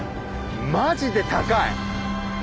マジで高い！